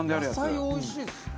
野菜おいしいですね。